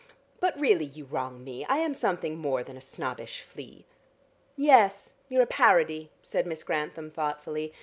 But really you wrong me: I am something more than a snobbish flea." "Yes; you're a parody," said Miss Grantham thoughtfully.